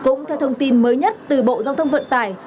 cũng theo thông tin mới nhất từ bộ giao thông vận tải